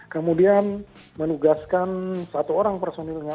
kemudian menugaskan satu orang personilnya